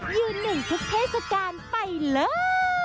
ยืนหนึ่งทุกเทศกาลไปเลย